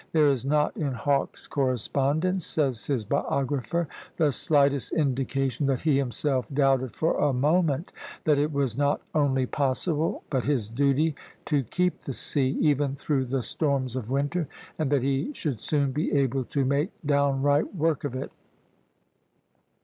"There is not in Hawke's correspondence," says his biographer, "the slightest indication that he himself doubted for a moment that it was not only possible, but his duty, to keep the sea, even through the storms of winter, and that he should soon be able to 'make downright work of it.'"